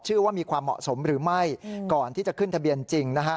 ว่ามีความเหมาะสมหรือไม่ก่อนที่จะขึ้นทะเบียนจริง